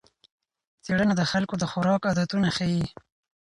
څېړنه د خلکو د خوراک عادتونه ښيي.